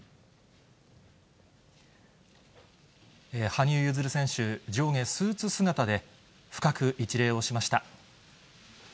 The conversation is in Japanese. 羽生結弦選手、上下スーツ姿で、深く一礼をしました。